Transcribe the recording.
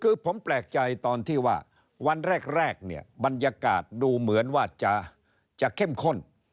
คือผมแปลกใจตอนที่ว่าวันแรกเนี่ยบรรยากาศดูเหมือนว่าจะเข้มข้น